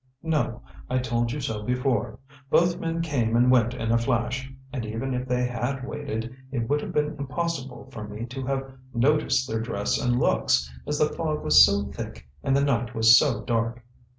"No. I told you so before. Both men came and went in a flash, and even if they had waited, it would have been impossible for me to have noticed their dress and looks, as the fog was so thick and the night was so dark."